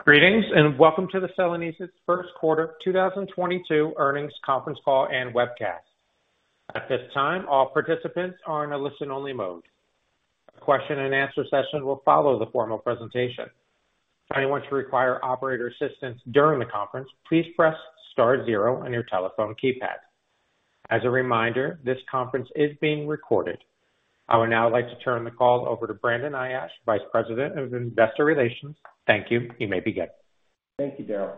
Greetings, and welcome to the Celanese first quarter 2022 earnings conference call and webcast. At this time, all participants are in a listen-only mode. A question and answer session will follow the formal presentation. If anyone should require operator assistance during the conference, please press star zero on your telephone keypad. As a reminder, this conference is being recorded. I would now like to turn the call over to Brandon Ayache, Vice President of Investor Relations. Thank you. You may begin. Thank you, Daryl.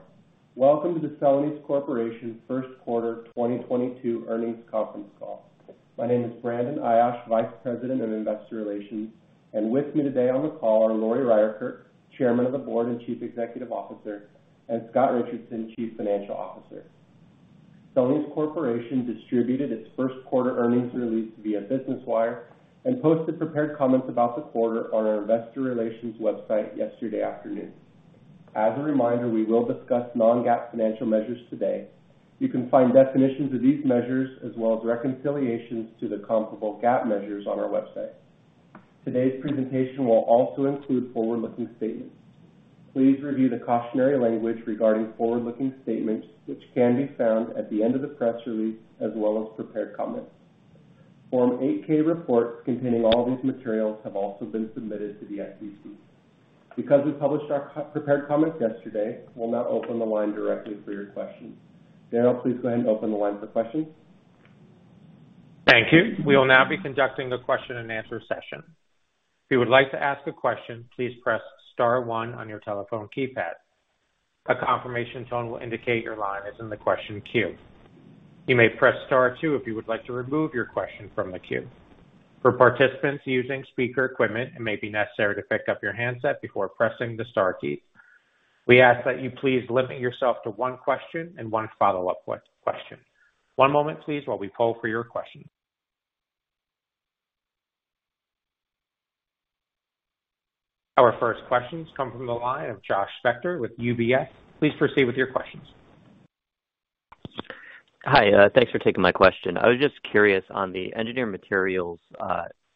Welcome to the Celanese Corporation first quarter 2022 earnings conference call. My name is Brandon Ayache, Vice President of Investor Relations, and with me today on the call are Lori Ryerkerk, Chairman of the Board and Chief Executive Officer, and Scott Richardson, Chief Financial Officer. Celanese Corporation distributed its first quarter earnings release via Business Wire and posted prepared comments about the quarter on our investor relations website yesterday afternoon. As a reminder, we will discuss non-GAAP financial measures today. You can find definitions of these measures as well as reconciliations to the comparable GAAP measures on our website. Today's presentation will also include forward-looking statements. Please review the cautionary language regarding forward-looking statements, which can be found at the end of the press release, as well as prepared comments. Form 8-K reports containing all these materials have also been submitted to the SEC. Because we published our prepared comments yesterday, we'll now open the line directly for your questions. Daryl, please go ahead and open the line for questions. Thank you. We will now be conducting a question and answer session. If you would like to ask a question, please press star one on your telephone keypad. A confirmation tone will indicate your line is in the question queue. You may press star two if you would like to remove your question from the queue. For participants using speaker equipment, it may be necessary to pick up your handset before pressing the star keys. We ask that you please limit yourself to one question and one follow-up question. One moment, please, while we poll for your questions. Our first questions come from the line of Josh Spector with UBS. Please proceed with your questions. Hi. Thanks for taking my question. I was just curious on the engineered materials,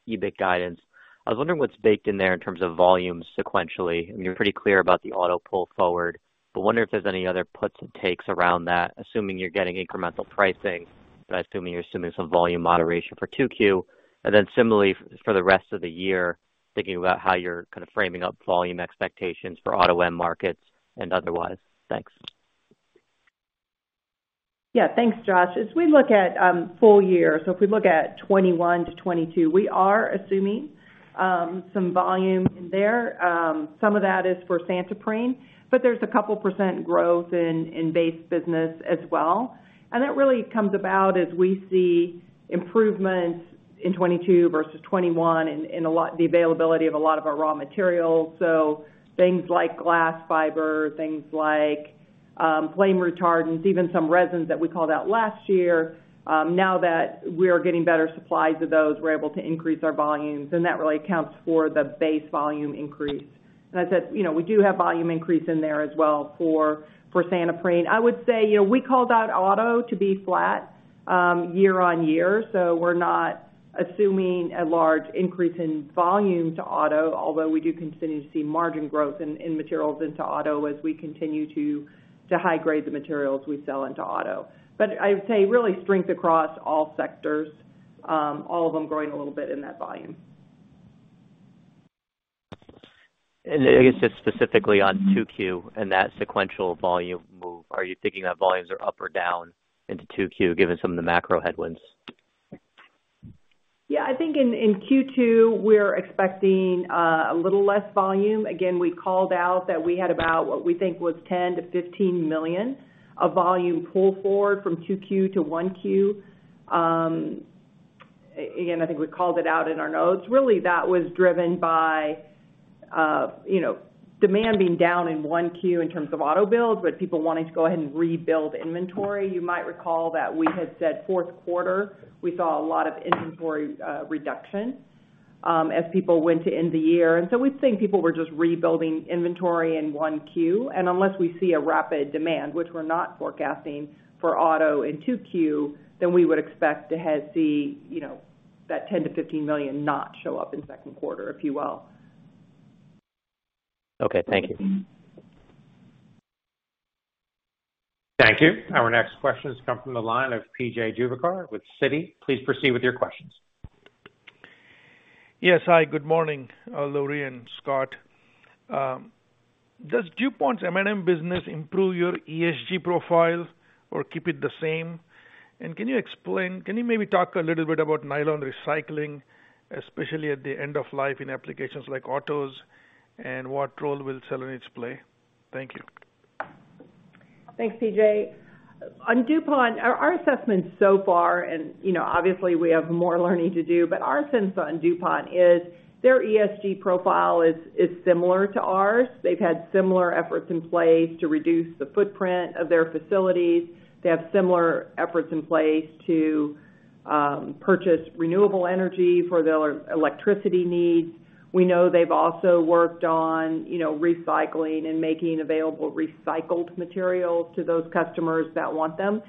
EBIT guidance. I was wondering what's baked in there in terms of volumes sequentially. I mean, you're pretty clear about the auto pull forward, but wondering if there's any other puts and takes around that, assuming you're getting incremental pricing, but assuming you're assuming some volume moderation for 2Q. Similarly for the rest of the year, thinking about how you're kind of framing up volume expectations for auto end markets and otherwise. Thanks. Yeah. Thanks, Josh. As we look at full year, if we look at 2021 to 2022, we are assuming some volume in there. Some of that is for Santoprene, but there's a couple% growth in base business as well. That really comes about as we see improvements in 2022 versus 2021 in the availability of a lot of our raw materials. Things like glass fiber, things like flame retardants, even some resins that we called out last year, now that we are getting better supplies of those, we're able to increase our volumes, and that really accounts for the base volume increase. As I said, you know, we do have volume increase in there as well for Santoprene. I would say, you know, we called out auto to be flat, year-over-year, so we're not assuming a large increase in volume to auto, although we do continue to see margin growth in materials into auto as we continue to high-grade the materials we sell into auto. I would say really strength across all sectors, all of them growing a little bit in that volume. I guess just specifically on 2Q and that sequential volume move, are you thinking that volumes are up or down into 2Q given some of the macro headwinds? Yeah. I think in Q2, we're expecting a little less volume. Again, we called out that we had about what we think was 10-15 million of volume pull forward from Q2 to Q1. Again, I think we called it out in our notes. Really, that was driven by you know, demand being down in Q1 in terms of auto builds, but people wanting to go ahead and rebuild inventory. You might recall that we had said fourth quarter, we saw a lot of inventory reduction as people went to end the year. We think people were just rebuilding inventory in Q1. Unless we see a rapid demand, which we're not forecasting for auto in 2Q, then we would expect to have, see, you know, that 10-15 million not show up in second quarter, if you will. Okay. Thank you. Thank you. Our next question has come from the line of PJ Juvekar with Citi. Please proceed with your questions. Yes. Hi, good morning, Lori and Scott. Does DuPont's M&M business improve your ESG profile or keep it the same? Can you explain, can you maybe talk a little bit about nylon recycling, especially at the end of life in applications like autos, and what role will Celanese play? Thank you. Thanks, PJ. On DuPont, our assessment so far and, you know, obviously we have more learning to do, but our sense on DuPont is their ESG profile is similar to ours. They've had similar efforts in place to reduce the footprint of their facilities. They have similar efforts in place to purchase renewable energy for their electricity needs. We know they've also worked on, you know, recycling and making available recycled materials to those customers that want them.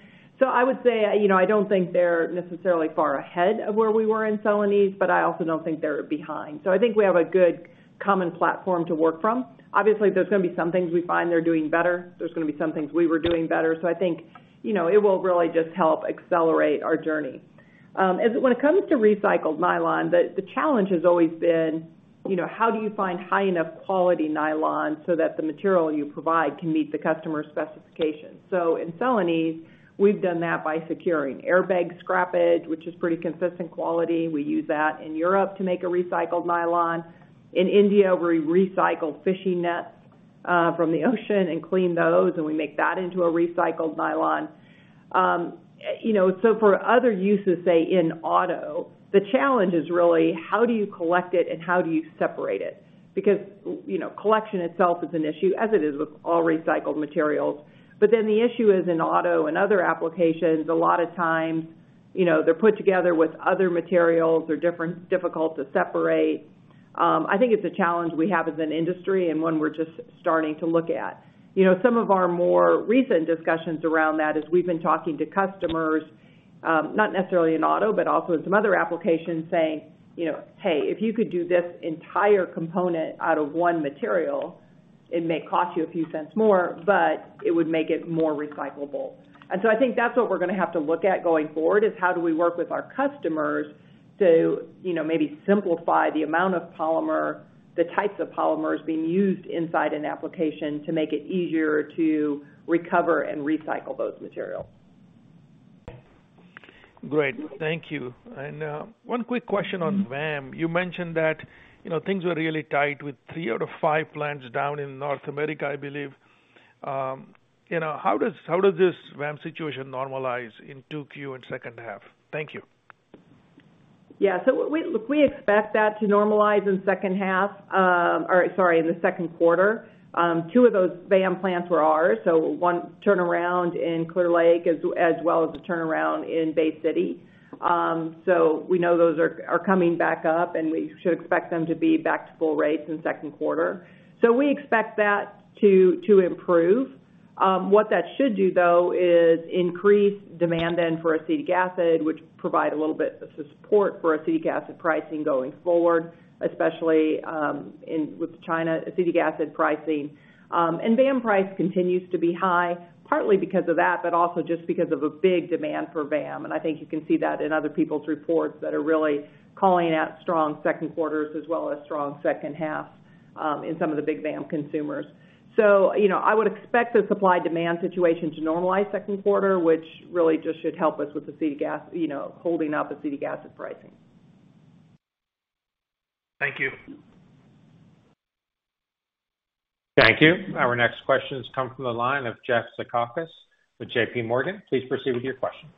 I would say, you know, I don't think they're necessarily far ahead of where we were in Celanese, but I also don't think they're behind. I think we have a good common platform to work from. Obviously, there's gonna be some things we find they're doing better, there's gonna be some things we were doing better. I think, you know, it will really just help accelerate our journey. When it comes to recycled nylon, the challenge has always been, you know, how do you find high enough quality nylon so that the material you provide can meet the customer's specifications? In Celanese, we've done that by securing airbag scrappage, which is pretty consistent quality. We use that in Europe to make a recycled nylon. In India, we recycle fishing nets from the ocean and clean those, and we make that into a recycled nylon. You know, for other uses, say, in auto, the challenge is really how do you collect it and how do you separate it? Because, you know, collection itself is an issue as it is with all recycled materials. The issue is in auto and other applications, a lot of times, you know, they're put together with other materials or difficult to separate. I think it's a challenge we have as an industry and one we're just starting to look at. You know, some of our more recent discussions around that is we've been talking to customers, not necessarily in auto, but also in some other applications saying, you know, "Hey, if you could do this entire component out of one material, it may cost you a few cents more, but it would make it more recyclable." I think that's what we're gonna have to look at going forward, is how do we work with our customers to, you know, maybe simplify the amount of polymer, the types of polymers being used inside an application to make it easier to recover and recycle those materials. Great. Thank you. One quick question on VAM. You mentioned that, you know, things were really tight with three out of five plants down in North America, I believe. You know, how does this VAM situation normalize in 2Q and second half? Thank you. Yeah. We expect that to normalize in the second quarter. Two of those VAM plants were ours, so one turnaround in Clear Lake as well as the turnaround in Bay City. We know those are coming back up, and we should expect them to be back to full rates in second quarter. We expect that to improve. What that should do, though, is increase demand then for acetic acid, which provide a little bit of support for acetic acid pricing going forward, especially with China acetic acid pricing. VAM price continues to be high, partly because of that, but also just because of a big demand for VAM. I think you can see that in other people's reports that are really calling out strong second quarters as well as strong second half in some of the big VAM consumers. You know, I would expect the supply-demand situation to normalize second quarter, which really just should help us with acetic acid, you know, holding up acetic acid pricing. Thank you. Thank you. Our next question has come from the line of Jeffrey Zekauskas with JPMorgan. Please proceed with your question.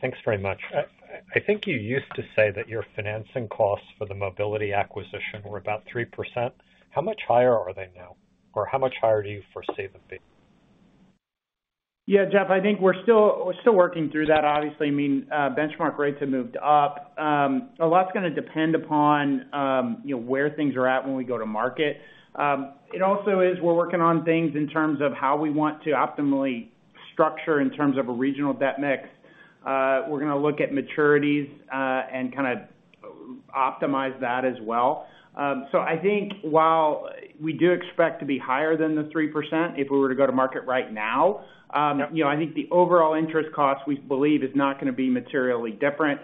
Thanks very much. I think you used to say that your financing costs for the mobility acquisition were about 3%. How much higher are they now, or how much higher do you foresee them being? Yeah, Jeff, I think we're still working through that, obviously. I mean, benchmark rates have moved up. A lot's gonna depend upon, you know, where things are at when we go to market. It also is we're working on things in terms of how we want to optimally structure in terms of a regional debt mix. We're gonna look at maturities, and kinda optimize that as well. I think while we do expect to be higher than the 3% if we were to go to market right now, you know, I think the overall interest cost, we believe, is not gonna be materially different.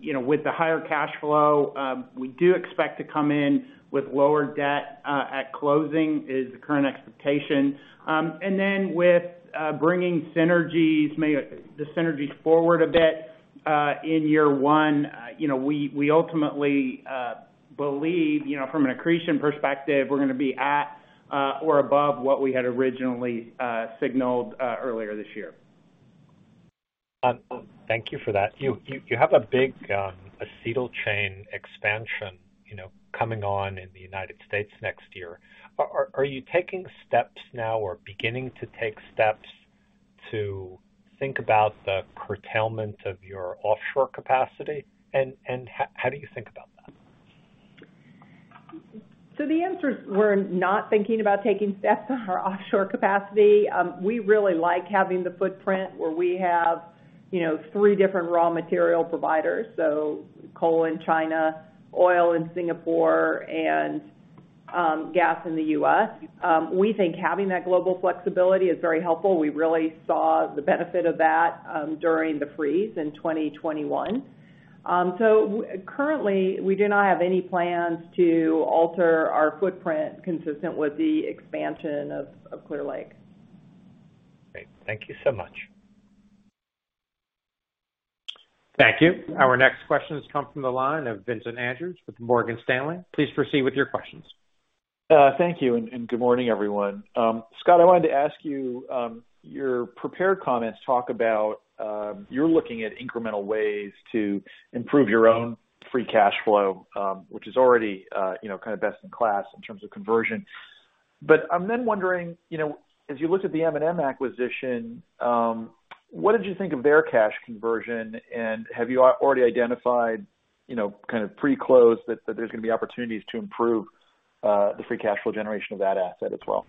You know, with the higher cash flow, we do expect to come in with lower debt at closing is the current expectation. With bringing the synergies forward a bit in year one, you know, we ultimately believe, you know, from an accretion perspective, we're gonna be at or above what we had originally signaled earlier this year. Thank you for that. You have a big acetyl chain expansion, you know, coming on in the United States next year. Are you taking steps now or beginning to take steps to think about the curtailment of your offshore capacity? How do you think about that? The answer is we're not thinking about taking steps on our offshore capacity. We really like having the footprint where we have, you know, three different raw material providers, so coal in China, oil in Singapore, and gas in the U.S. We think having that global flexibility is very helpful. We really saw the benefit of that during the freeze in 2021. Currently, we do not have any plans to alter our footprint consistent with the expansion of Clear Lake. Great. Thank you so much. Thank you. Our next question has come from the line of Vincent Andrews with Morgan Stanley. Please proceed with your questions. Thank you, and good morning, everyone. Scott, I wanted to ask you, your prepared comments talk about, you're looking at incremental ways to improve your own free cash flow, which is already, you know, kind of best in class in terms of conversion. I'm then wondering, you know, as you look at the M&M acquisition, what did you think of their cash conversion? And have you already identified, you know, kind of pre-close that there's gonna be opportunities to improve, the free cash flow generation of that asset as well?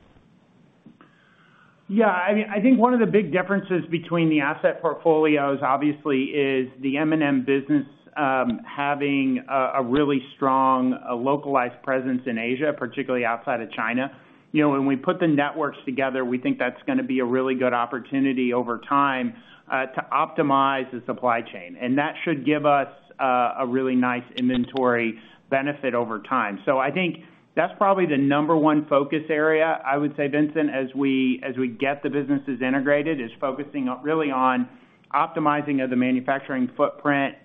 Yeah. I mean, I think one of the big differences between the asset portfolios obviously is the M&M business, having a really strong localized presence in Asia, particularly outside of China. You know, when we put the networks together, we think that's gonna be a really good opportunity over time to optimize the supply chain. That should give us a really nice inventory benefit over time. I think that's probably the number one focus area, I would say, Vincent, as we get the businesses integrated, is focusing really on optimizing of the manufacturing footprint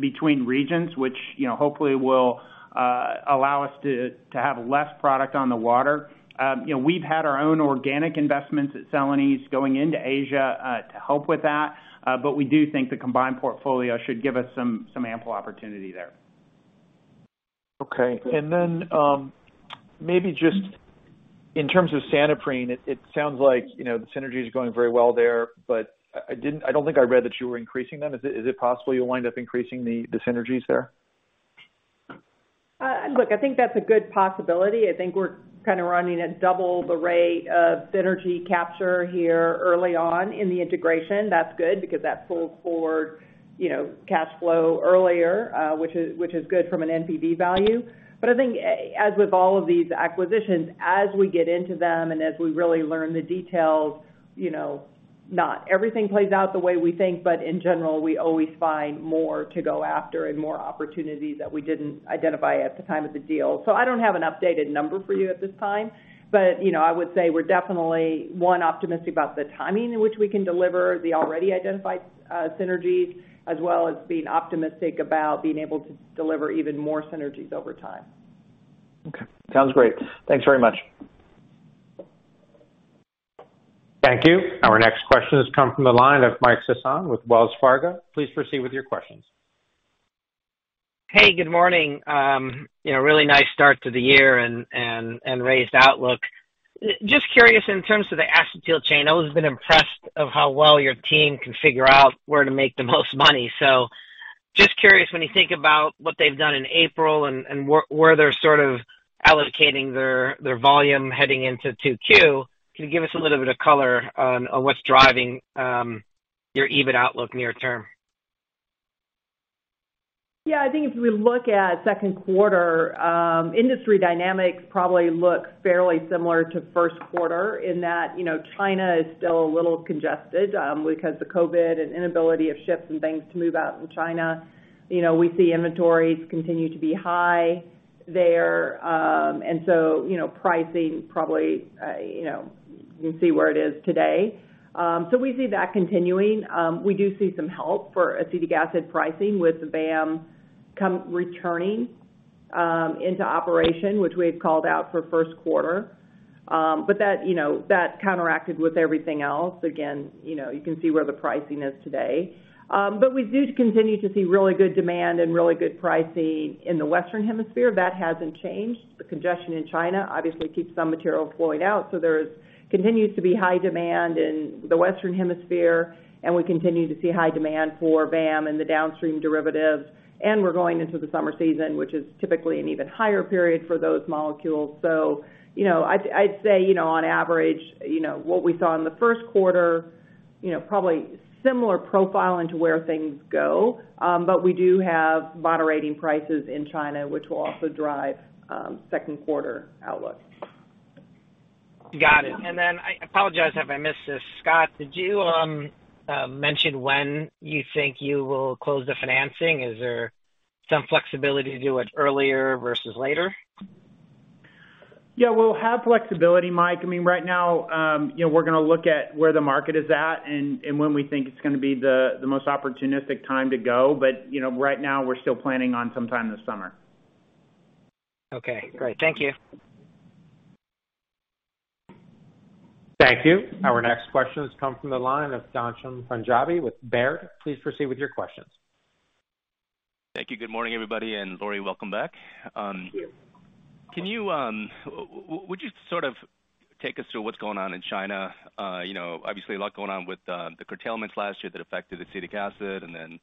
between regions, which, you know, hopefully will allow us to have less product on the water. You know, we've had our own organic investments at Celanese going into Asia to help with that. We do think the combined portfolio should give us some ample opportunity there. Okay. Maybe just in terms of Santoprene, it sounds like, you know, the synergy is going very well there, but I don't think I read that you were increasing them. Is it possible you'll wind up increasing the synergies there? I think that's a good possibility. I think we're kind of running at double the rate of synergy capture here early on in the integration. That's good because that pulls forward, you know, cash flow earlier, which is good from an NPV value. But I think, as with all of these acquisitions, as we get into them and as we really learn the details, you know, not everything plays out the way we think, but in general, we always find more to go after and more opportunities that we didn't identify at the time of the deal. I don't have an updated number for you at this time. you know, I would say we're definitely, one, optimistic about the timing in which we can deliver the already identified synergies, as well as being optimistic about being able to deliver even more synergies over time. Okay. Sounds great. Thanks very much. Thank you. Our next question has come from the line of Michael Sison with Wells Fargo. Please proceed with your questions. Hey, good morning. You know, really nice start to the year and raised outlook. Just curious in terms of the acetyl chain, I've always been impressed of how well your team can figure out where to make the most money. Just curious, when you think about what they've done in April and where they're sort of allocating their volume heading into 2Q, can you give us a little bit of color on what's driving your EBIT outlook near term? Yeah. I think if we look at second quarter, industry dynamics probably look fairly similar to first quarter in that, you know, China is still a little congested, because the COVID and inability of ships and things to move out in China. You know, we see inventories continue to be high there. So, you know, pricing probably, you know, you can see where it is today. So we see that continuing. We do see some help for acetic acid pricing with the VAM returning into operation, which we had called out for first quarter. But that, you know, that counteracted with everything else. Again, you know, you can see where the pricing is today. But we do continue to see really good demand and really good pricing in the Western Hemisphere. That hasn't changed. The congestion in China obviously keeps some material flowing out. There continues to be high demand in the Western Hemisphere, and we continue to see high demand for VAM and the downstream derivatives. We're going into the summer season, which is typically an even higher period for those molecules. You know, I'd say, you know, on average, you know, what we saw in the first quarter, you know, probably similar profile into where things go. We do have moderating prices in China, which will also drive second quarter outlook. Got it. I apologize if I missed this. Scott, did you mention when you think you will close the financing? Is there some flexibility to do it earlier versus later? Yeah, we'll have flexibility, Mike. I mean, right now, you know, we're gonna look at where the market is at and when we think it's gonna be the most opportunistic time to go. You know, right now, we're still planning on sometime this summer. Okay, great. Thank you. Thank you. Our next question has come from the line of Ghansham Panjabi with Baird. Please proceed with your questions. Thank you. Good morning, everybody. Lori, welcome back. Thank you. Would you sort of take us through what's going on in China? You know, obviously a lot going on with the curtailments last year that affected acetic acid and then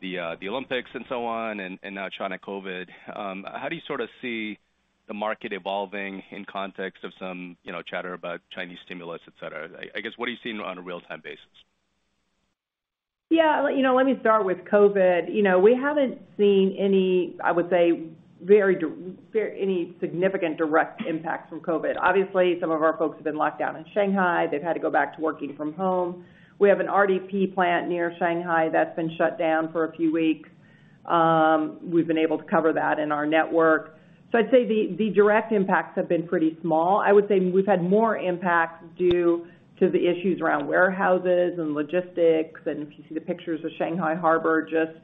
the Olympics and so on, and now China COVID. How do you sort of see the market evolving in context of some, you know, chatter about Chinese stimulus, et cetera? I guess, what are you seeing on a real-time basis? Yeah. You know, let me start with COVID. You know, we haven't seen any, I would say, any significant direct impact from COVID. Obviously, some of our folks have been locked down in Shanghai. They've had to go back to working from home. We have an RDP plant near Shanghai that's been shut down for a few weeks. We've been able to cover that in our network. So I'd say the direct impacts have been pretty small. I would say we've had more impacts due to the issues around warehouses and logistics. If you see the pictures of Shanghai Harbor, just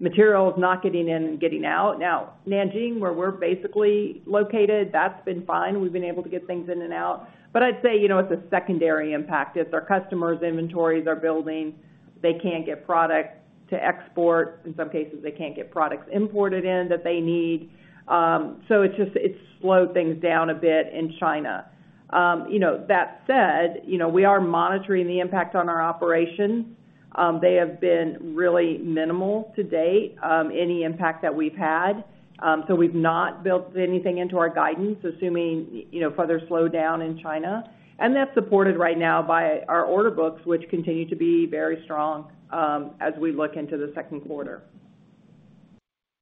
materials not getting in and getting out. Now, Nanjing, where we're basically located, that's been fine. We've been able to get things in and out. I'd say, you know, it's a secondary impact. It's our customers' inventories are building. They can't get product to export. In some cases, they can't get products imported in that they need. So it's just slowed things down a bit in China. You know, that said, you know, we are monitoring the impact on our operations. They have been really minimal to date, any impact that we've had. So we've not built anything into our guidance, assuming, you know, further slowdown in China. That's supported right now by our order books, which continue to be very strong, as we look into the second quarter.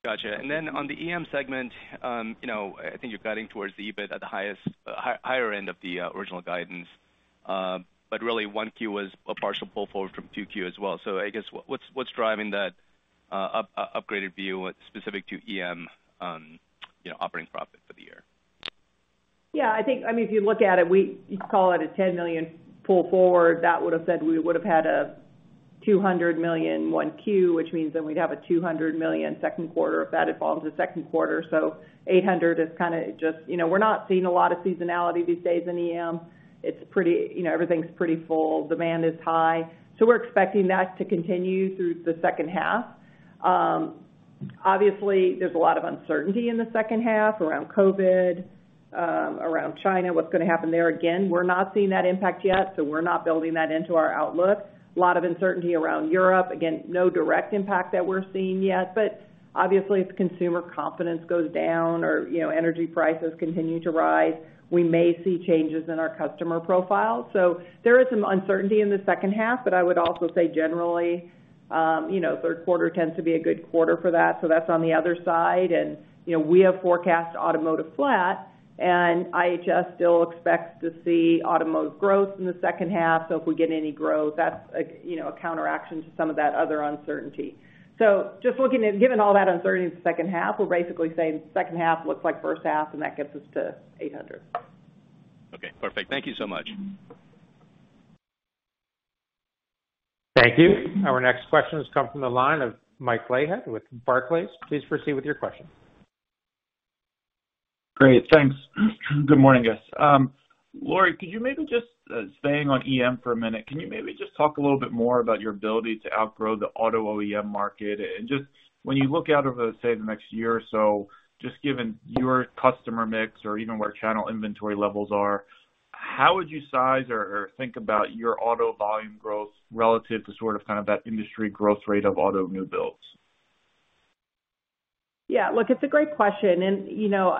Gotcha. Then on the EM segment, you know, I think you're guiding towards the EBIT at the higher end of the original guidance. Really one Q was a partial pull forward from two Q as well. I guess what's driving that upgraded view specific to EM, you know, operating profit for the year? Yeah, I think, I mean, if you look at it, you call it a $10 million pull forward, that would have said we would have had a $200 million 1Q, which means then we'd have a $200 million second quarter if that involves the second quarter. Eight hundred is kinda just, you know, we're not seeing a lot of seasonality these days in EM. It's pretty, you know, everything's pretty full. Demand is high. We're expecting that to continue through the second half. Obviously, there's a lot of uncertainty in the second half around COVID, around China, what's gonna happen there. We're not seeing that impact yet, so we're not building that into our outlook. A lot of uncertainty around Europe. No direct impact that we're seeing yet. Obviously, if consumer confidence goes down or, you know, energy prices continue to rise, we may see changes in our customer profile. There is some uncertainty in the second half, but I would also say generally, you know, third quarter tends to be a good quarter for that. That's on the other side. You know, we have forecast automotive flat, and IHS still expects to see automotive growth in the second half. If we get any growth, that's, like, you know, a counteraction to some of that other uncertainty. Just looking at given all that uncertainty in the second half, we're basically saying second half looks like first half, and that gets us to $800. Okay, perfect. Thank you so much. Thank you. Our next question has come from the line of Mike Leithead with Barclays. Please proceed with your question. Great. Thanks. Good morning, guys. Lori, could you maybe just, staying on EM for a minute, can you maybe just talk a little bit more about your ability to outgrow the auto OEM market? Just when you look out over, say, the next year or so, just given your customer mix or even where channel inventory levels are, how would you size or think about your auto volume growth relative to sort of, kind of that industry growth rate of auto new builds? Yeah, look, it's a great question. You know,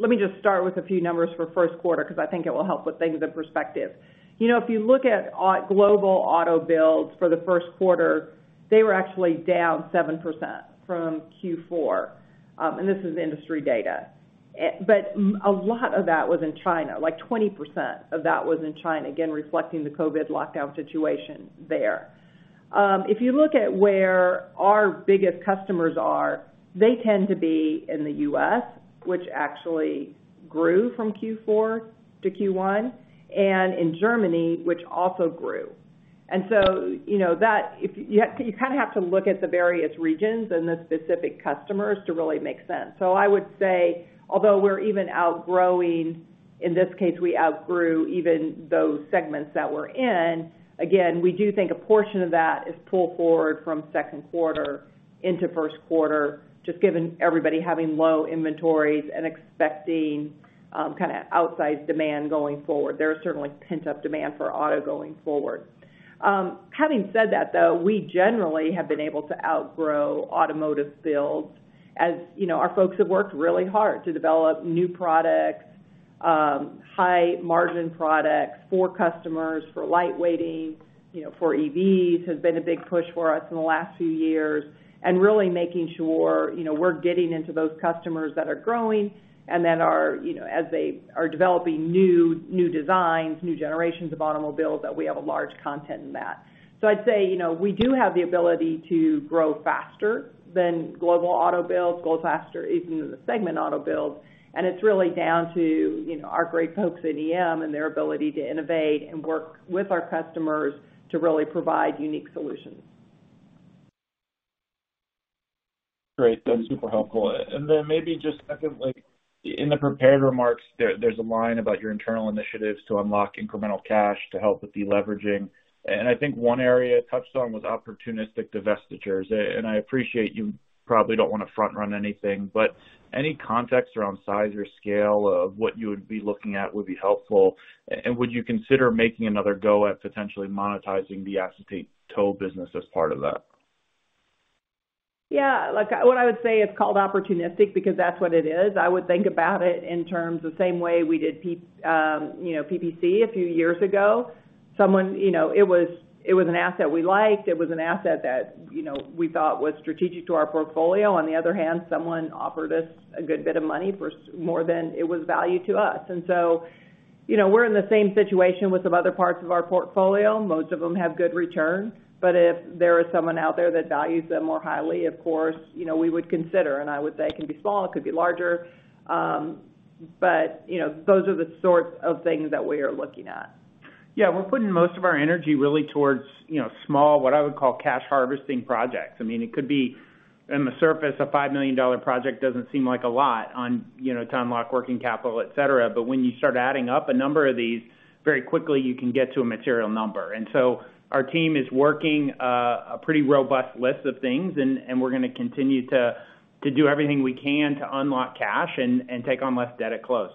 let me just start with a few numbers for first quarter because I think it will help with things in perspective. You know, if you look at global auto builds for the first quarter, they were actually down 7% from Q4, and this is industry data. But a lot of that was in China, like 20% of that was in China, again, reflecting the COVID lockdown situation there. If you look at where our biggest customers are, they tend to be in the U.S., which actually grew from Q4 to Q1, and in Germany, which also grew. You know, that if you kind of have to look at the various regions and the specific customers to really make sense. I would say, although we're even outgrowing, in this case, we outgrew even those segments that we're in, again, we do think a portion of that is pull forward from second quarter into first quarter, just given everybody having low inventories and expecting, kinda outsized demand going forward. There is certainly pent-up demand for auto going forward. Having said that, though, we generally have been able to outgrow automotive builds as, you know, our folks have worked really hard to develop new products, high margin products for customers, for light weighting, you know, for EVs has been a big push for us in the last few years, and really making sure, you know, we're getting into those customers that are growing and that are, you know, as they are developing new designs, new generations of automobiles, that we have a large content in that. I'd say, you know, we do have the ability to grow faster than global auto builds, grow faster even than the segment auto builds. It's really down to, you know, our great folks in EM and their ability to innovate and work with our customers to really provide unique solutions. Great. That's super helpful. Then maybe just secondly, in the prepared remarks, there's a line about your internal initiatives to unlock incremental cash to help with deleveraging. I think one area touched on was opportunistic divestitures. I appreciate you probably don't wanna front run anything, but any context around size or scale of what you would be looking at would be helpful. Would you consider making another go at potentially monetizing the acetate tow business as part of that? Yeah. Look, what I would say, it's called opportunistic because that's what it is. I would think about it in terms of the same way we did Polyplastics a few years ago. Someone, you know, it was an asset we liked. It was an asset that, you know, we thought was strategic to our portfolio. On the other hand, someone offered us a good bit of money for more than it was valued to us. You know, we're in the same situation with some other parts of our portfolio. Most of them have good returns, but if there is someone out there that values them more highly, of course, you know, we would consider, and I would say it can be small, it could be larger. You know, those are the sorts of things that we are looking at. Yeah, we're putting most of our energy really towards, you know, small, what I would call cash harvesting projects. I mean, it could be on the surface, a $5 million project doesn't seem like a lot on, you know, time lock working capital, et cetera. When you start adding up a number of these, very quickly you can get to a material number. Our team is working a pretty robust list of things, and we're gonna continue to do everything we can to unlock cash and take on less debt at close.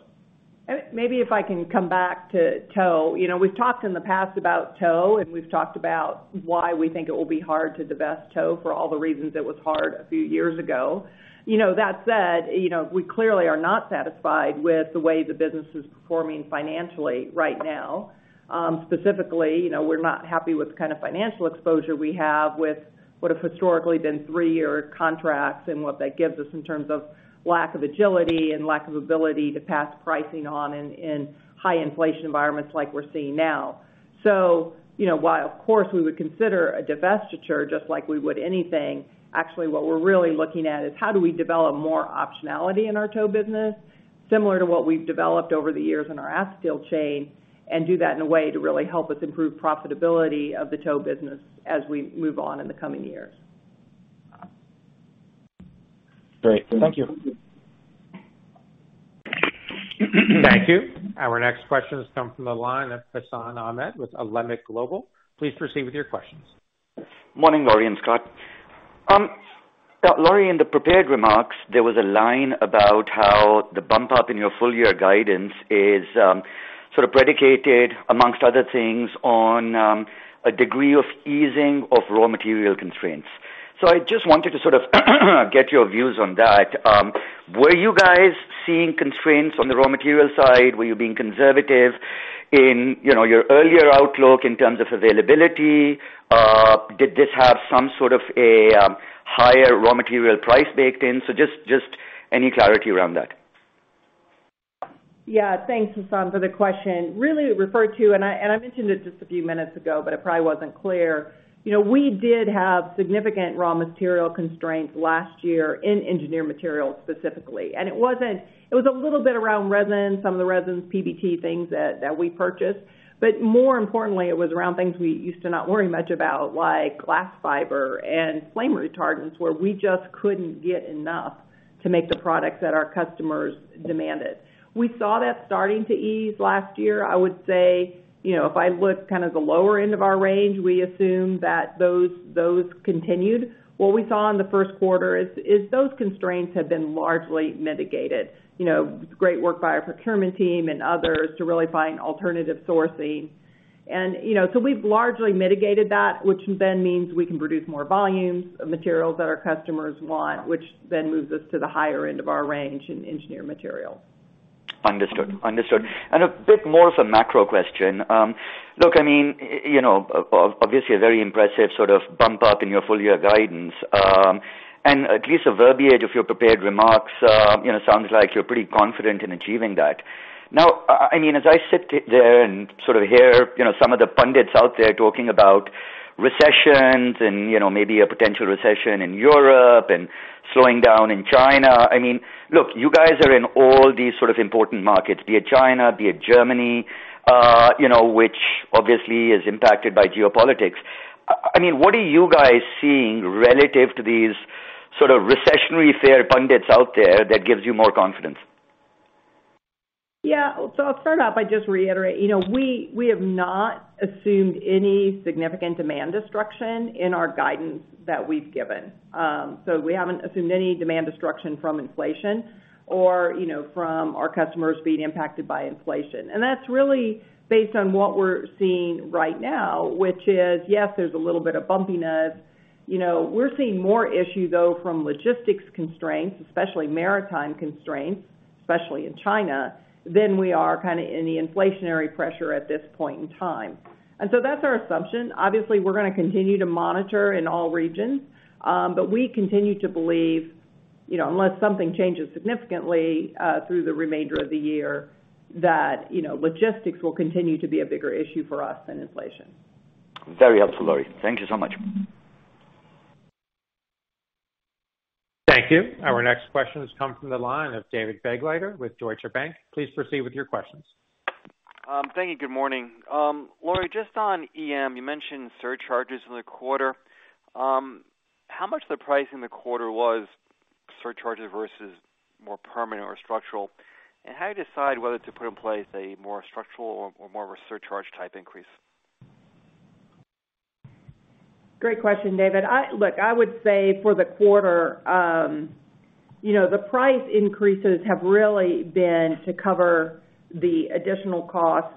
Maybe if I can come back to tow. You know, we've talked in the past about tow, and we've talked about why we think it will be hard to divest tow for all the reasons it was hard a few years ago. You know, that said, you know, we clearly are not satisfied with the way the business is performing financially right now. Specifically, you know, we're not happy with the kind of financial exposure we have with what have historically been three-year contracts and what that gives us in terms of lack of agility and lack of ability to pass pricing on in high inflation environments like we're seeing now. you know, while, of course, we would consider a divestiture just like we would anything, actually what we're really looking at is how do we develop more optionality in our tow business, similar to what we've developed over the years in our acetyl chain, and do that in a way to really help us improve profitability of the tow business as we move on in the coming years. Great. Thank you. Thank you. Our next question has come from the line of Hassan Ahmed with Alembic Global. Please proceed with your questions. Morning, Lori and Scott. Lori, in the prepared remarks, there was a line about how the bump up in your full year guidance is sort of predicated, among other things, on a degree of easing of raw material constraints. I just wanted to sort of get your views on that. Were you guys seeing constraints on the raw material side? Were you being conservative in, you know, your earlier outlook in terms of availability? Did this have some sort of a higher raw material price baked in? Just any clarity around that. Yeah. Thanks, Hassan, for the question. Really it referred to, and I mentioned it just a few minutes ago, but it probably wasn't clear, you know, we did have significant raw material constraints last year in engineered materials specifically. It wasn't. It was a little bit around resin, some of the resins, PBT things that we purchased. But more importantly, it was around things we used to not worry much about, like glass fiber and flame retardants, where we just couldn't get enough to make the products that our customers demanded. We saw that starting to ease last year. I would say, you know, if I look kind of the lower end of our range, we assume that those continued. What we saw in the first quarter is those constraints have been largely mitigated. You know, great work by our procurement team and others to really find alternative sourcing. You know, so we've largely mitigated that, which then means we can produce more volumes of materials that our customers want, which then moves us to the higher end of our range in engineered materials. Understood. A bit more of a macro question. Look, I mean, you know, obviously a very impressive sort of bump up in your full year guidance. At least the verbiage of your prepared remarks, you know, sounds like you're pretty confident in achieving that. Now, I mean, as I sit there and sort of hear, you know, some of the pundits out there talking about recessions and, you know, maybe a potential recession in Europe and slowing down in China. I mean, look, you guys are in all these sort of important markets, be it China, be it Germany, you know, which obviously is impacted by geopolitics. I mean, what are you guys seeing relative to these sort of recessionary fears pundits out there that gives you more confidence? Yeah. I'll start off by just reiterating, you know, we have not assumed any significant demand destruction in our guidance that we've given. We haven't assumed any demand destruction from inflation or, you know, from our customers being impacted by inflation. That's really based on what we're seeing right now, which is, yes, there's a little bit of bumpiness. You know, we're seeing more issue, though, from logistics constraints, especially maritime constraints, especially in China, than we are kinda in the inflationary pressure at this point in time. That's our assumption. Obviously, we're gonna continue to monitor in all regions, but we continue to believe, you know, unless something changes significantly, through the remainder of the year, that, you know, logistics will continue to be a bigger issue for us than inflation. Very helpful, Lori. Thank you so much. Thank you. Our next question has come from the line of David Begleiter with Deutsche Bank. Please proceed with your questions. Thank you. Good morning. Lori, just on EM, you mentioned surcharges in the quarter. How much of the price in the quarter was surcharges versus more permanent or structural? How do you decide whether to put in place a more structural or more of a surcharge type increase? Great question, David. Look, I would say for the quarter, you know, the price increases have really been to cover the additional costs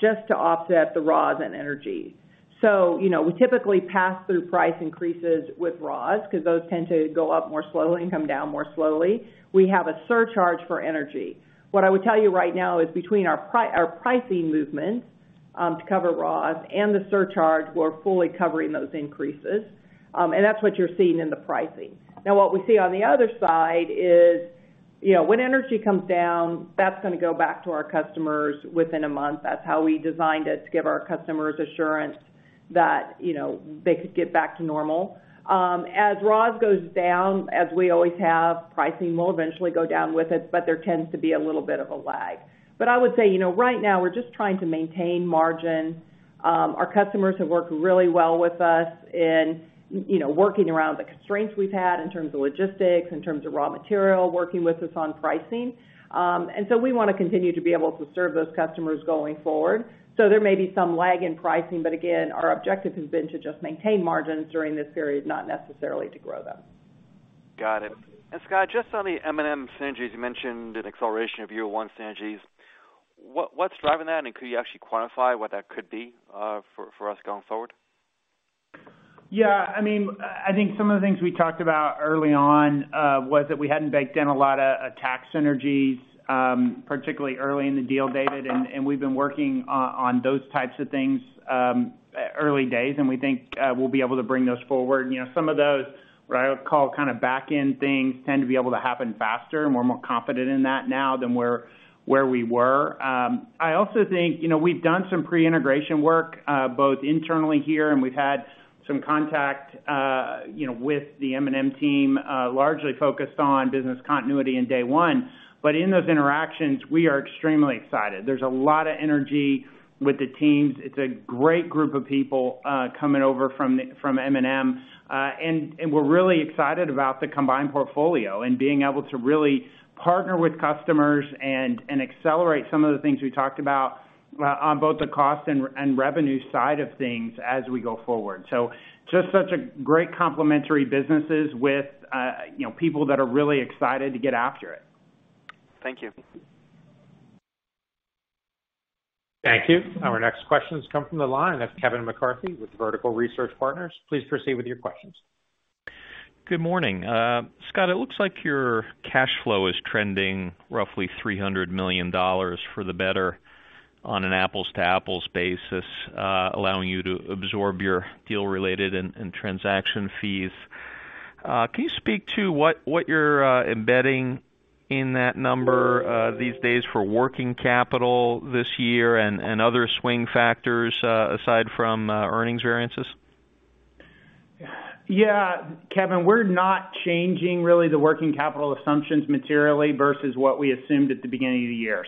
just to offset the raws and energy. You know, we typically pass through price increases with raws because those tend to go up more slowly and come down more slowly. We have a surcharge for energy. What I would tell you right now is between our our pricing movement to cover raws and the surcharge, we're fully covering those increases. That's what you're seeing in the pricing. Now, what we see on the other side is, you know, when energy comes down, that's gonna go back to our customers within a month. That's how we designed it to give our customers assurance that, you know, they could get back to normal. As raws goes down, as we always have, pricing will eventually go down with it, but there tends to be a little bit of a lag. I would say, you know, right now, we're just trying to maintain margin. Our customers have worked really well with us in, you know, working around the constraints we've had in terms of logistics, in terms of raw material, working with us on pricing. We wanna continue to be able to serve those customers going forward. There may be some lag in pricing, but again, our objective has been to just maintain margins during this period, not necessarily to grow them. Got it. Scott, just on the M&M synergies, you mentioned an acceleration of year one synergies. What’s driving that? Could you actually quantify what that could be, for us going forward? Yeah, I mean, I think some of the things we talked about early on was that we hadn't baked in a lot of tax synergies, particularly early in the deal, David, and we've been working on those types of things early days, and we think we'll be able to bring those forward. You know, some of those what I would call kinda backend things tend to be able to happen faster, and we're more confident in that now than we were. I also think, you know, we've done some pre-integration work, both internally here, and we've had some contact, you know, with the M&M team, largely focused on business continuity in day one. In those interactions, we are extremely excited. There's a lot of energy with the teams. It's a great group of people coming over from M&M. We're really excited about the combined portfolio and being able to really partner with customers and accelerate some of the things we talked about on both the cost and revenue side of things as we go forward. Just such a great complementary businesses with, you know, people that are really excited to get after it. Thank you. Thank you. Our next question has come from the line of Kevin McCarthy with Vertical Research Partners. Please proceed with your questions. Good morning. Scott, it looks like your cash flow is trending roughly $300 million for the better on an apples-to-apples basis, allowing you to absorb your deal-related and transaction fees. Can you speak to what you're embedding in that number these days for working capital this year and other swing factors aside from earnings variances? Yeah. Kevin, we're not changing really the working capital assumptions materially versus what we assumed at the beginning of the year.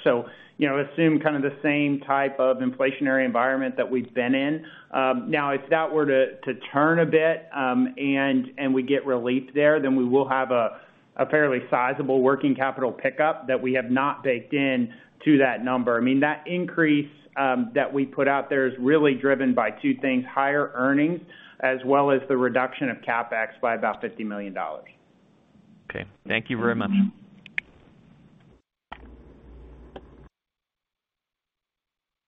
You know, assume kind of the same type of inflationary environment that we've been in. Now, if that were to turn a bit and we get relief there, then we will have a fairly sizable working capital pickup that we have not baked in to that number. I mean, that increase that we put out there is really driven by two things, higher earnings as well as the reduction of CapEx by about $50 million. Okay. Thank you very much.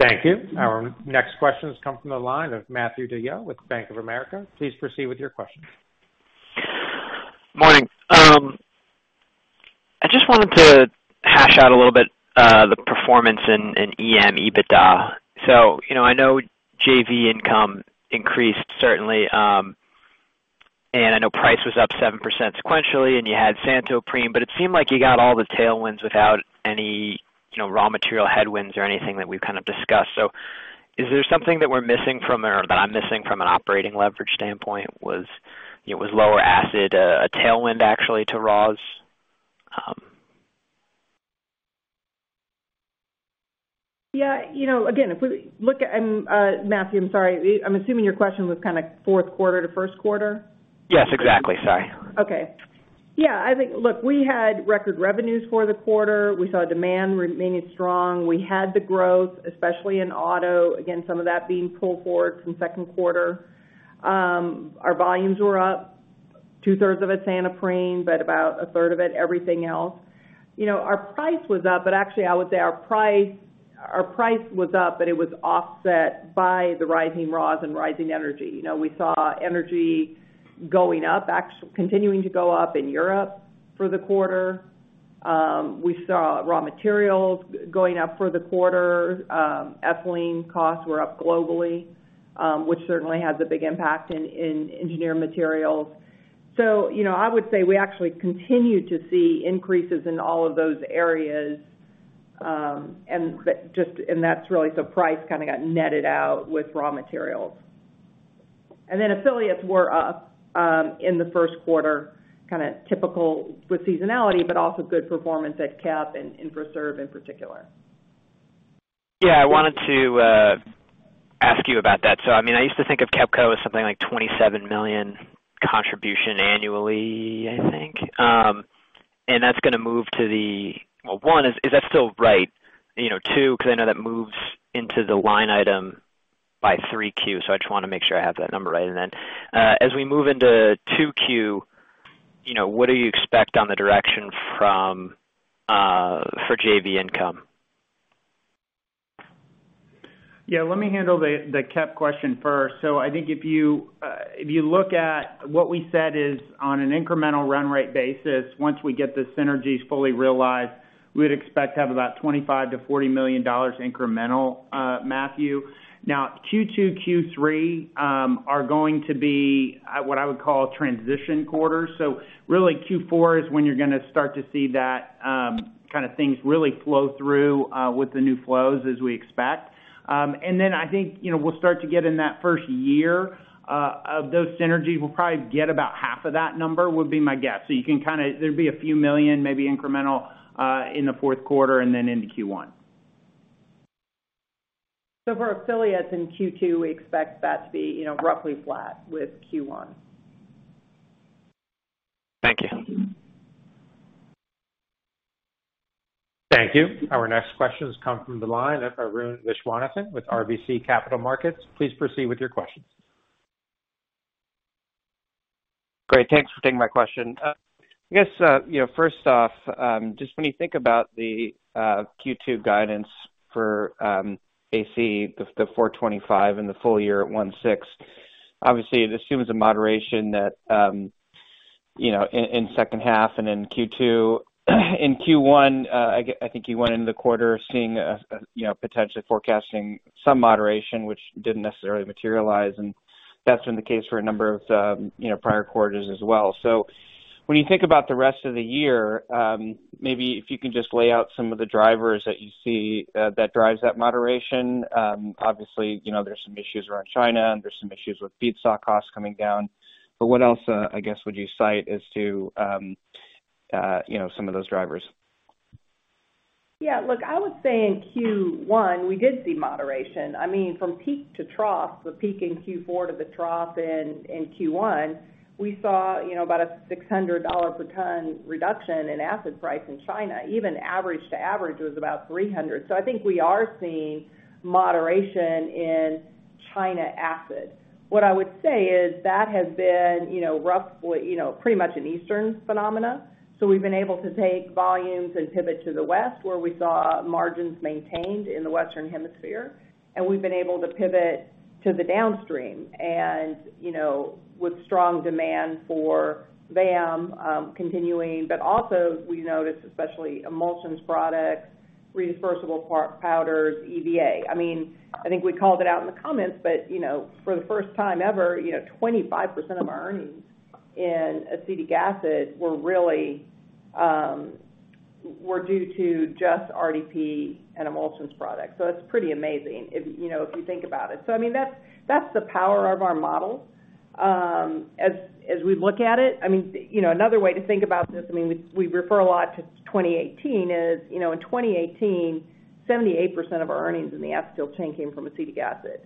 Thank you. Our next question has come from the line of Matthew DeYoe with Bank of America. Please proceed with your question. Morning. I just wanted to hash out a little bit, the performance in EM EBITDA. You know, I know JV income increased certainly, and I know price was up 7% sequentially, and you had Santoprene, but it seemed like you got all the tailwinds without any, you know, raw material headwinds or anything that we've kind of discussed. Is there something that we're missing from or that I'm missing from an operating leverage standpoint? Was lower acid a tailwind actually to raws? Yeah. You know, again, if we look at, Matthew, I'm sorry. I'm assuming your question was kinda fourth quarter to first quarter. Yes, exactly. Sorry. Okay. Yeah, I think look, we had record revenues for the quarter. We saw demand remaining strong. We had the growth, especially in auto. Again, some of that being pulled forward from second quarter. Our volumes were up two-thirds of it Santoprene, but about a third of it everything else. You know, our price was up, but actually I would say our price was up, but it was offset by the rising raws and rising energy. You know, we saw energy going up, continuing to go up in Europe for the quarter. We saw raw materials going up for the quarter. Ethylene costs were up globally, which certainly has a big impact in engineered materials. You know, I would say we actually continued to see increases in all of those areas, and that's really so price kinda got netted out with raw materials. Affiliates were up in the first quarter, kinda typical with seasonality, but also good performance at KEPCO and Infraserv in particular. Yeah, I wanted to ask you about that. I mean, I used to think of KEPCO as something like $27 million contribution annually, I think. One, is that still right? You know, two, because I know that moves into the line item by 3Q. I just wanna make sure I have that number right. As we move into 2Q, you know, what do you expect on the direction from for JV income? Yeah, let me handle the KEPCO question first. I think if you look at what we said is on an incremental run rate basis, once we get the synergies fully realized, we'd expect to have about $25 million-$40 million incremental, Matthew. Now, Q2, Q3 are going to be what I would call transition quarters. Really Q4 is when you're gonna start to see that kind of things really flow through with the new flows as we expect. I think, you know, we'll start to get in that first year of those synergies. We'll probably get about half of that number, would be my guess. You can kinda there'd be $ a few million, maybe incremental, in the fourth quarter and then into Q1. For affiliates in Q2, we expect that to be, you know, roughly flat with Q1. Thank you. Thank you. Our next questions come from the line of Arun Viswanathan with RBC Capital Markets. Please proceed with your questions. Great. Thanks for taking my question. I guess, you know, first off, just when you think about the Q2 guidance for AC, the $425 in the full year at $1.6, obviously it assumes a moderation that, you know, in second half and then Q2. In Q1, I think you went into the quarter seeing a, you know, potentially forecasting some moderation, which didn't necessarily materialize, and that's been the case for a number of, you know, prior quarters as well. When you think about the rest of the year, maybe if you could just lay out some of the drivers that you see that drives that moderation. Obviously, you know, there's some issues around China, and there's some issues with feedstock costs coming down. What else, I guess, would you cite as to, you know, some of those drivers? Yeah. Look, I would say in Q1, we did see moderation. I mean, from peak to trough, the peak in Q4 to the trough in Q1, we saw, you know, about $600 per ton reduction in acid price in China. Even average to average was about $300. I think we are seeing moderation in China acid. What I would say is that has been, you know, roughly, you know, pretty much an Eastern phenomena. We've been able to take volumes and pivot to the West, where we saw margins maintained in the Western Hemisphere, and we've been able to pivot to the downstream and, you know, with strong demand for VAM continuing. But also we noticed especially emulsions products, redispersible powders, EVA. I mean, I think we called it out in the comments, but, you know, for the first time ever, you know, 25% of our earnings in acetic acid were really were due to just RDP and emulsions products. So it's pretty amazing if, you know, if you think about it. So I mean, that's the power of our model, as we look at it. I mean, you know, another way to think about this, I mean, we refer a lot to 2018, you know, in 2018, 78% of our earnings in the acetyl chain came from acetic acid.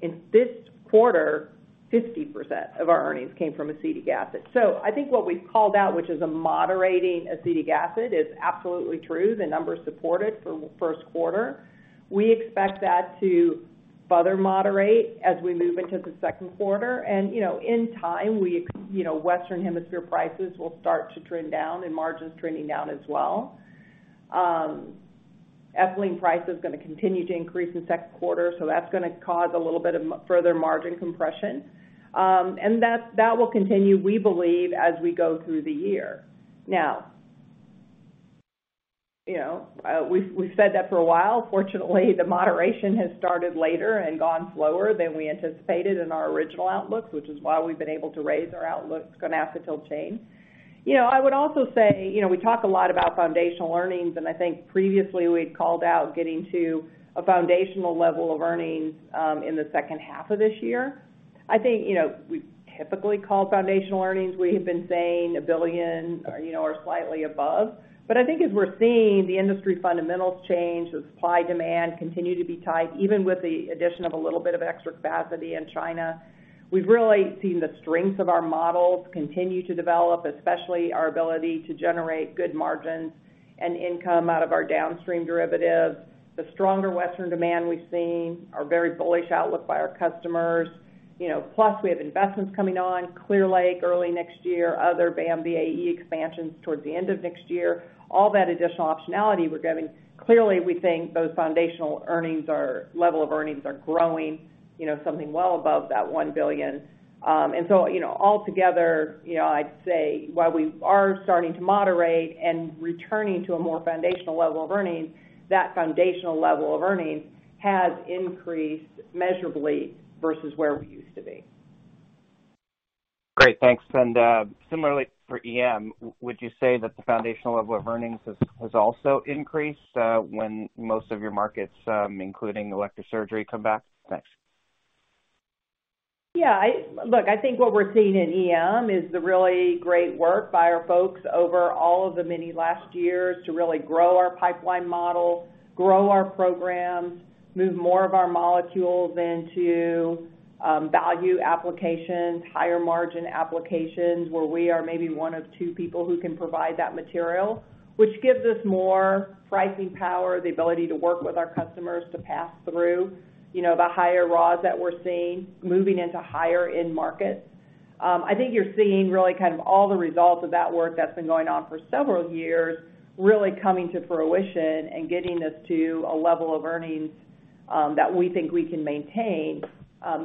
In this quarter, 50% of our earnings came from acetic acid. So I think what we've called out, which is a moderating acetic acid, is absolutely true. The numbers support it for first quarter. We expect that to further moderate as we move into the second quarter. You know, in time, you know, Western Hemisphere prices will start to trend down and margins trending down as well. Ethylene price is gonna continue to increase in second quarter, so that's gonna cause a little bit of further margin compression. That will continue, we believe, as we go through the year. Now, you know, we've said that for a while. Fortunately, the moderation has started later and gone slower than we anticipated in our original outlooks, which is why we've been able to raise our outlooks on acetyl chain. You know, I would also say, you know, we talk a lot about foundational earnings, and I think previously we had called out getting to a foundational level of earnings in the second half of this year. I think, you know, we've typically called foundational earnings. We have been saying $1 billion or, you know, or slightly above. I think as we're seeing the industry fundamentals change, the supply-demand continue to be tight, even with the addition of a little bit of extra capacity in China, we've really seen the strengths of our molecules continue to develop, especially our ability to generate good margins and income out of our downstream derivatives. The stronger Western demand we've seen are very bullish outlook by our customers. You know, plus we have investments coming on, Clear Lake early next year, other VAM/VAE expansions towards the end of next year. All that additional optionality we're getting, clearly, we think those foundational earnings are, level of earnings are growing, you know, something well above that $1 billion. Altogether, you know, I'd say while we are starting to moderate and returning to a more foundational level of earnings, that foundational level of earnings has increased measurably versus where we used to be. Great. Thanks. Similarly for EM, would you say that the foundational level of earnings has also increased, when most of your markets, including elective surgery come back? Thanks. Yeah. Look, I think what we're seeing in EM is the really great work by our folks over all of the many last years to really grow our pipeline model, grow our programs, move more of our molecules into value applications, higher margin applications, where we are maybe one of two people who can provide that material, which gives us more pricing power, the ability to work with our customers to pass through, you know, the higher raws that we're seeing moving into higher end markets. I think you're seeing really kind of all the results of that work that's been going on for several years really coming to fruition and getting us to a level of earnings that we think we can maintain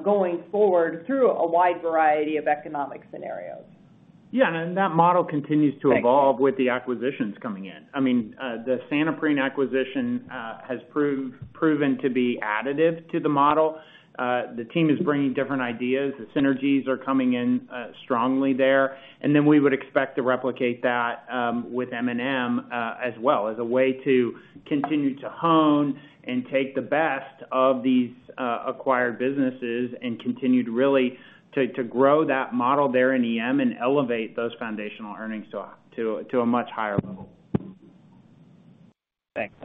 going forward through a wide variety of economic scenarios. Yeah. That model continues to Thanks. Evolve with the acquisitions coming in. I mean, the Santoprene acquisition has proven to be additive to the model. The team is bringing different ideas. The synergies are coming in strongly there. We would expect to replicate that with M&M as well as a way to continue to hone and take the best of these acquired businesses and continue to really grow that model there in EM and elevate those foundational earnings to a much higher level. Thanks.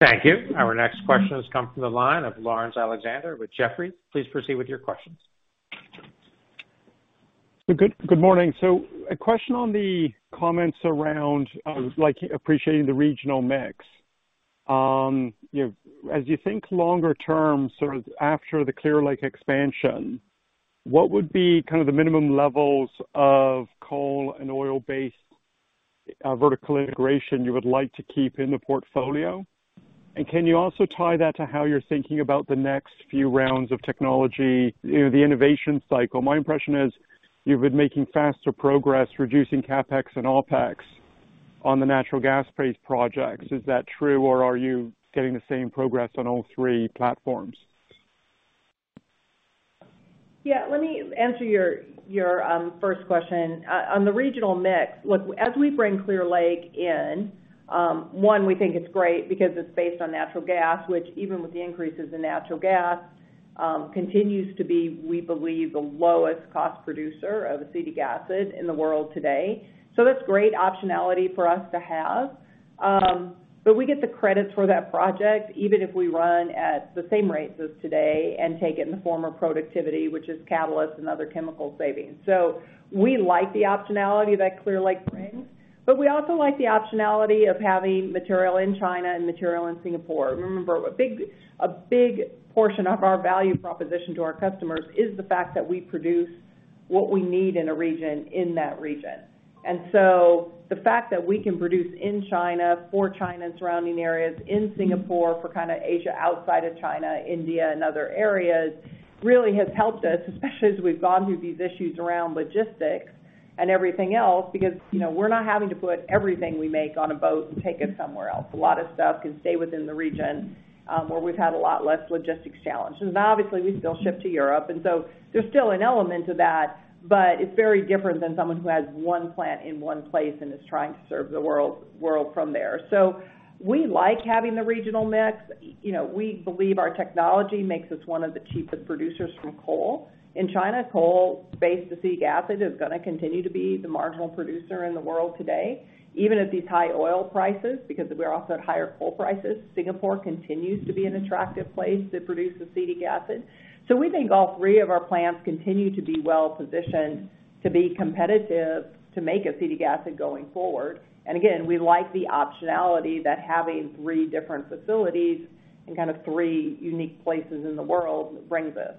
Thank you. Our next question has come from the line of Laurence Alexander with Jefferies. Please proceed with your questions. Good morning. A question on the comments around, like appreciating the regional mix. You know, as you think longer term, sort of after the Clear Lake expansion, what would be kind of the minimum levels of coal and oil-based vertical integration you would like to keep in the portfolio? Can you also tie that to how you're thinking about the next few rounds of technology, you know, the innovation cycle? My impression is you've been making faster progress reducing CapEx and OpEx on the natural gas-based projects. Is that true, or are you getting the same progress on all three platforms? Yeah. Let me answer your first question. On the regional mix, look, as we bring Clear Lake in, we think it's great because it's based on natural gas, which even with the increases in natural gas, continues to be, we believe, the lowest cost producer of acetic acid in the world today. That's great optionality for us to have. But we get the credits for that project even if we run at the same rates as today and take it in the form of productivity, which is catalyst and other chemical savings. We like the optionality that Clear Lake brings, but we also like the optionality of having material in China and material in Singapore. Remember, a big portion of our value proposition to our customers is the fact that we produce what we need in a region, in that region. The fact that we can produce in China for China and surrounding areas, in Singapore for kind of Asia outside of China, India, and other areas, really has helped us, especially as we've gone through these issues around logistics and everything else, because, you know, we're not having to put everything we make on a boat and take it somewhere else. A lot of stuff can stay within the region, where we've had a lot less logistics challenge. Now obviously we still ship to Europe, and so there's still an element of that, but it's very different than someone who has one plant in one place and is trying to serve the world from there. We like having the regional mix. You know, we believe our technology makes us one of the cheapest producers from coal. In China, coal-based acetic acid is gonna continue to be the marginal producer in the world today, even at these high oil prices, because we're also at higher coal prices. Singapore continues to be an attractive place to produce acetic acid. We think all three of our plants continue to be well positioned to be competitive, to make acetic acid going forward. Again, we like the optionality that having three different facilities in kind of three unique places in the world brings us.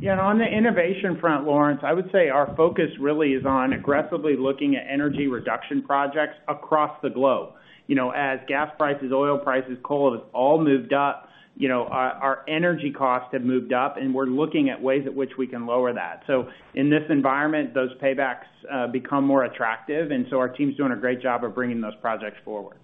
Yeah, on the innovation front, Laurence, I would say our focus really is on aggressively looking at energy reduction projects across the globe. You know, as gas prices, oil prices, coal have all moved up, you know, our energy costs have moved up, and we're looking at ways at which we can lower that. In this environment, those paybacks become more attractive, and so our team's doing a great job of bringing those projects forward.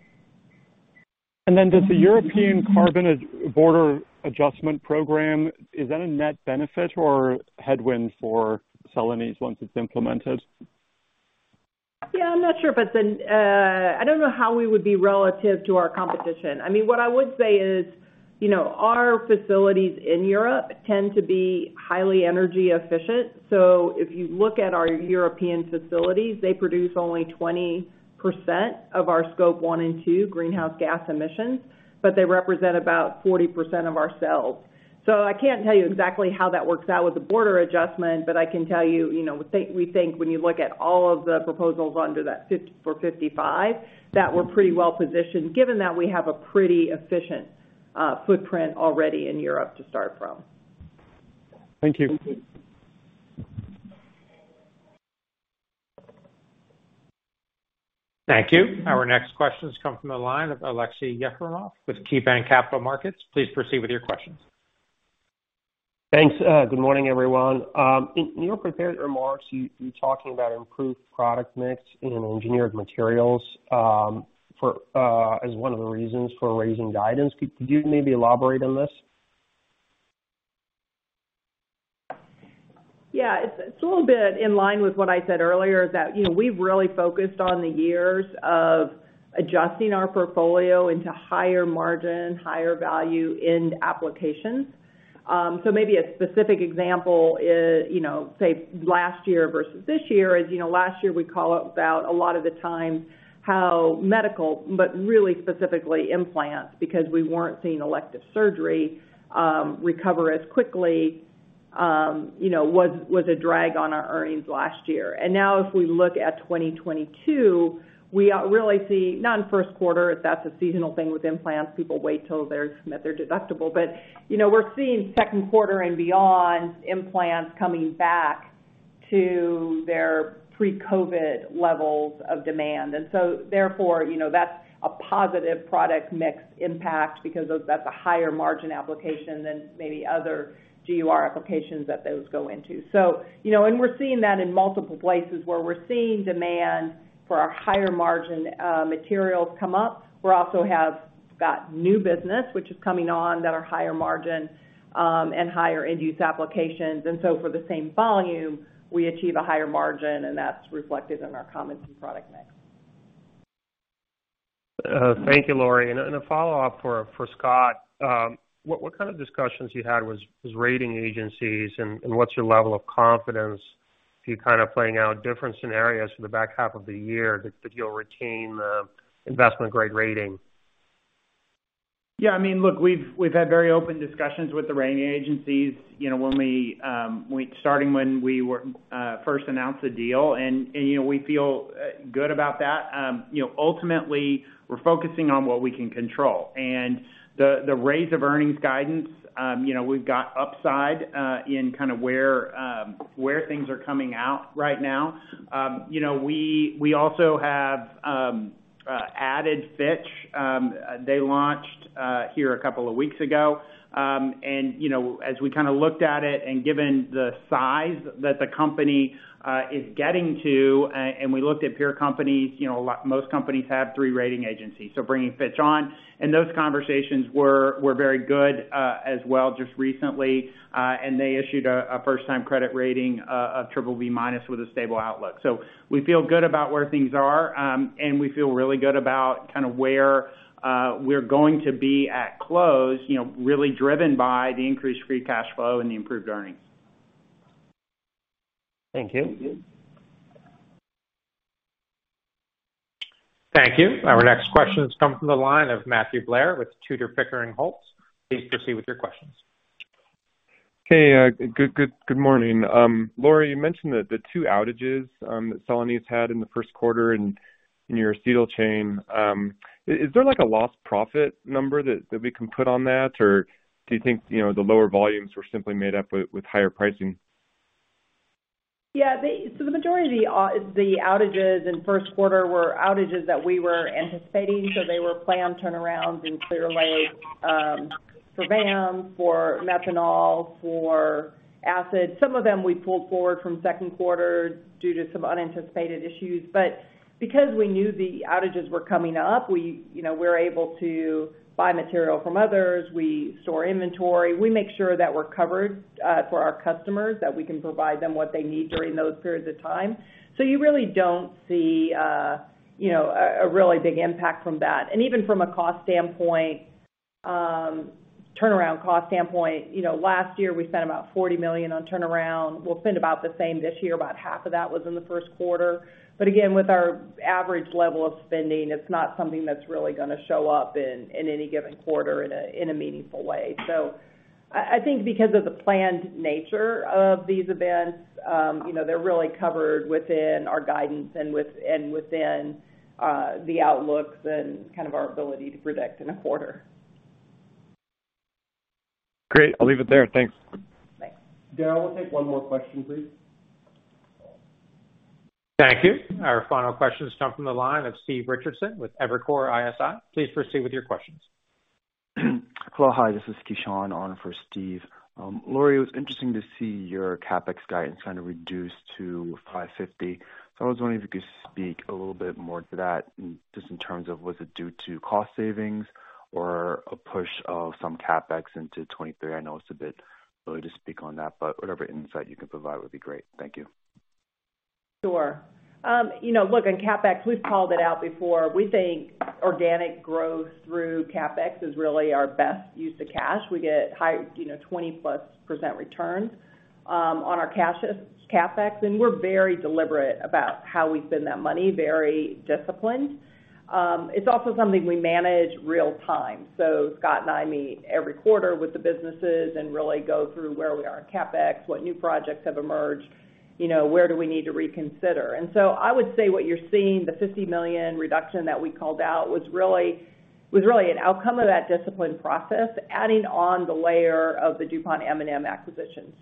Does the Carbon Border Adjustment Mechanism program, is that a net benefit or headwind for Celanese once it's implemented? Yeah, I'm not sure if it's. I don't know how we would be relative to our competition. I mean, what I would say is, you know, our facilities in Europe tend to be highly energy efficient. If you look at our European facilities, they produce only 20% of our scope one and two greenhouse gas emissions, but they represent about 40% of our sales. I can't tell you exactly how that works out with the border adjustment, but I can tell you know, we think when you look at all of the proposals under that Fit for 55, that we're pretty well positioned given that we have a pretty efficient footprint already in Europe to start from. Thank you. Thank you. Thank you. Our next question has come from the line of Aleksey Yefremov with KeyBanc Capital Markets. Please proceed with your questions. Thanks. Good morning, everyone. In your prepared remarks, you're talking about improved product mix in engineered materials, for as one of the reasons for raising guidance. Could you maybe elaborate on this? Yeah. It's a little bit in line with what I said earlier, that you know, we've really focused on the years of adjusting our portfolio into higher margin, higher value end applications. So maybe a specific example is, you know, say last year versus this year is, you know, last year we call out about a lot of the time how medical, but really specifically implants because we weren't seeing elective surgery recover as quickly, you know, was a drag on our earnings last year. Now if we look at 2022, we really see, not in first quarter, that's a seasonal thing with implants. People wait till they meet their deductible. You know, we're seeing second quarter and beyond implants coming back to their pre-COVID levels of demand. Therefore, you know, that's a positive product mix impact because that's a higher margin application than maybe other GUR applications that those go into. You know, and we're seeing that in multiple places where we're seeing demand for our higher margin materials come up. We also have got new business which is coming on that are higher margin and higher end-use applications. For the same volume, we achieve a higher margin, and that's reflected in our comments in product mix. Thank you, Lori. A follow-up for Scott. What kind of discussions you had with rating agencies and what's your level of confidence? If you're kind of playing out different scenarios for the back half of the year, that you'll retain the investment-grade rating. Yeah, I mean, look, we've had very open discussions with the rating agencies, you know, when we first announced the deal and, you know, we feel good about that. You know, ultimately, we're focusing on what we can control. The raise of earnings guidance, you know, we've got upside in kinda where things are coming out right now. You know, we also have added Fitch. They launched here a couple of weeks ago. You know, as we kinda looked at it, and given the size that the company is getting to, and we looked at peer companies, you know, like most companies have three rating agencies, so bringing Fitch on. Those conversations were very good as well just recently. They issued a first time credit rating of BBB- with a stable outlook. We feel good about where things are, and we feel really good about kinda where we're going to be at close, you know, really driven by the increased free cash flow and the improved earnings. Thank you. Thank you. Our next question has come from the line of Matthew Blair with Tudor, Pickering, Holt. Please proceed with your questions. Hey, good morning. Lori, you mentioned the two outages that Celanese had in the first quarter in your acetyl chain. Is there like a lost profit number that we can put on that? Or do you think, you know, the lower volumes were simply made up with higher pricing? Yeah. The majority of the outages in first quarter were outages that we were anticipating, so they were planned turnarounds and clearances for VAM, for methanol, for acid. Some of them we pulled forward from second quarter due to some unanticipated issues. Because we knew the outages were coming up, we, you know, were able to buy material from others. We store inventory. We make sure that we're covered for our customers, that we can provide them what they need during those periods of time. You really don't see, you know, a really big impact from that. Even from a cost standpoint, turnaround cost standpoint, you know, last year we spent about $40 million on turnaround. We'll spend about the same this year. About half of that was in the first quarter. Again, with our average level of spending, it's not something that's really gonna show up in any given quarter in a meaningful way. I think because of the planned nature of these events, you know, they're really covered within our guidance and within the outlooks and kind of our ability to predict in a quarter. Great. I'll leave it there. Thanks. Thanks. Darryl, we'll take one more question, please. Thank you. Our final question has come from the line of Stephen Richardson with Evercore ISI. Please proceed with your questions. Hello, hi. This is Krishna on for Steve. Lori, it was interesting to see your CapEx guidance kind of reduce to $550. I was wondering if you could speak a little bit more to that just in terms of was it due to cost savings or a push of some CapEx into 2023? I know it's a bit early to speak on that, but whatever insight you can provide would be great. Thank you. Sure. You know, look, on CapEx, we've called it out before. We think organic growth through CapEx is really our best use of cash. We get high, you know, 20%+ returns on our CapEx. We're very deliberate about how we spend that money, very disciplined. It's also something we manage real time. Scott and I meet every quarter with the businesses and really go through where we are in CapEx, what new projects have emerged, you know, where do we need to reconsider. I would say what you're seeing, the $50 million reduction that we called out was really an outcome of that disciplined process, adding on the layer of the DuPont M&M acquisition.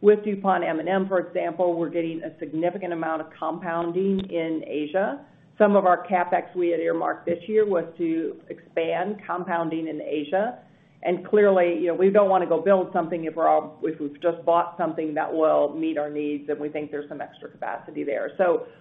With DuPont M&M, for example, we're getting a significant amount of compounding in Asia. Some of our CapEx we had earmarked this year was to expand compounding in Asia. Clearly, you know, we don't wanna go build something if we've just bought something that will meet our needs and we think there's some extra capacity there.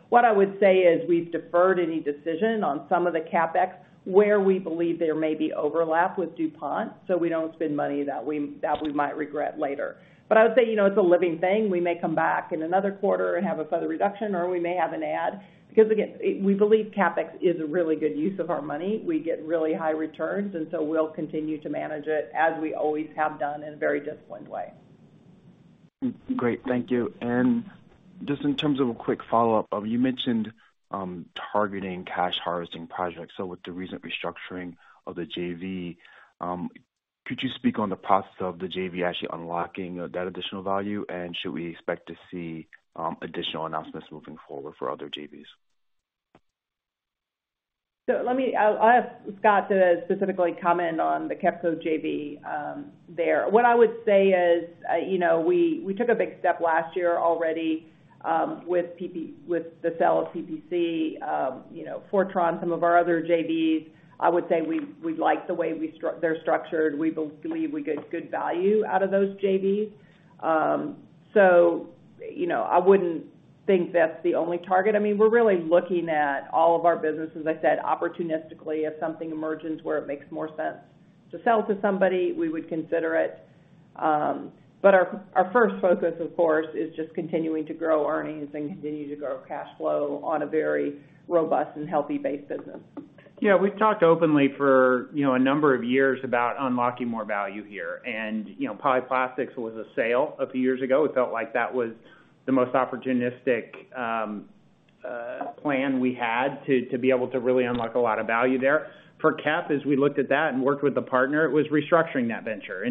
What I would say is we've deferred any decision on some of the CapEx where we believe there may be overlap with DuPont, so we don't spend money that we might regret later. I would say, you know, it's a living thing. We may come back in another quarter and have a further reduction, or we may have an add because, again, we believe CapEx is a really good use of our money. We get really high returns, and so we'll continue to manage it as we always have done in a very disciplined way. Great. Thank you. Just in terms of a quick follow-up, you mentioned targeting cash harvesting projects. With the recent restructuring of the JV, could you speak on the process of the JV actually unlocking that additional value? Should we expect to see additional announcements moving forward for other JVs? I'll ask Scott to specifically comment on the KEPCO JV there. What I would say is, you know, we took a big step last year already with the sale of Polyplastics, you know, Fortron, some of our other JVs. I would say we like the way they're structured. We believe we get good value out of those JVs. You know, I wouldn't think that's the only target. I mean, we're really looking at all of our businesses, as I said, opportunistically. If something emerges where it makes more sense to sell to somebody, we would consider it. But our first focus, of course, is just continuing to grow earnings and continue to grow cash flow on a very robust and healthy base business. We've talked openly for, you know, a number of years about unlocking more value here. You know, Polyplastics was a sale a few years ago. It felt like that was the most opportunistic plan we had to be able to really unlock a lot of value there. For Kep, as we looked at that and worked with the partner, it was restructuring that venture.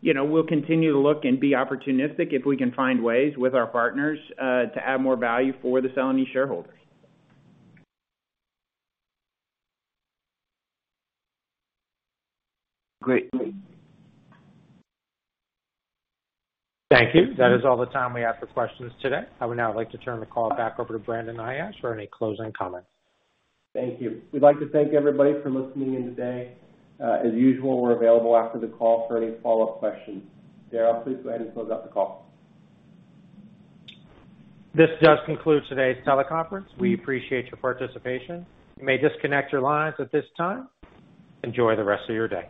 You know, we'll continue to look and be opportunistic if we can find ways with our partners to add more value for the Celanese shareholders. Great. Thank you. That is all the time we have for questions today. I would now like to turn the call back over to Brandon Ayache for any closing comments. Thank you. We'd like to thank everybody for listening in today. As usual, we're available after the call for any follow-up questions. Darryl, please go ahead and close out the call. This does conclude today's teleconference. We appreciate your participation. You may disconnect your lines at this time. Enjoy the rest of your day.